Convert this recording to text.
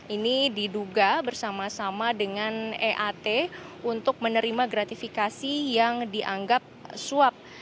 ini diduga bersama sama dengan eat untuk menerima gratifikasi yang dianggap suap